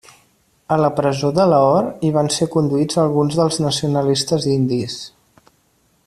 A la presó de Lahore hi van ser conduïts alguns dels nacionalistes indis.